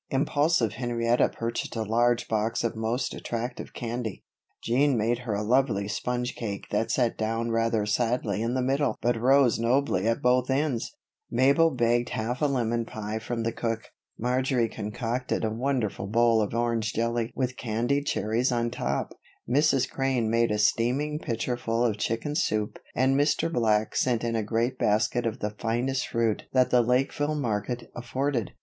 Impulsive Henrietta purchased a large box of most attractive candy, Jean made her a lovely sponge cake that sat down rather sadly in the middle but rose nobly at both ends; Mabel begged half a lemon pie from the cook; Marjory concocted a wonderful bowl of orange jelly with candied cherries on top, Mrs. Crane made a steaming pitcherful of chicken soup and Mr. Black sent in a great basket of the finest fruit that the Lakeville market afforded.